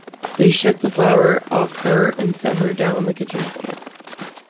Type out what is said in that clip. They shook the flour off her and set her down on the kitchen floor.